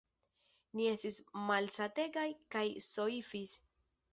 Ni estis malsategaj kaj soifis.